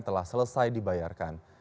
telah selesai dibayarkan